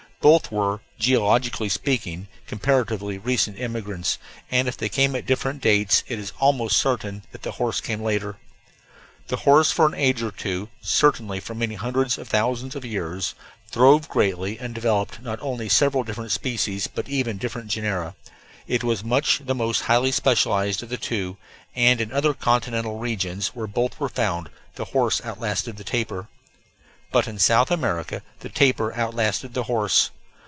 Both were, geologically speaking, comparatively recent immigrants, and if they came at different dates it is almost certain that the horse came later. The horse for an age or two, certainly for many hundreds of thousands of years, throve greatly and developed not only several different species but even different genera. It was much the most highly specialized of the two, and in the other continental regions where both were found the horse outlasted the tapir. But in South America the tapir outlasted the horse.